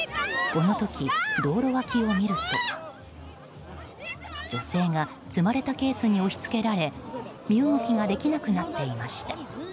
この時、道路脇を見ると女性が積まれたケースに押し付けられ身動きができなくなっていました。